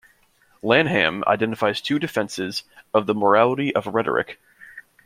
Lanham identifies two defenses of the morality of rhetoric.